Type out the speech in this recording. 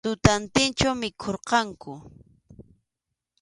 Tutantinchu mikhurqanku.